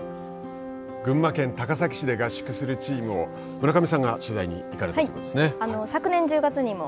群馬県高崎市で合宿するチームを村上さんが取材に行かれたということですよね。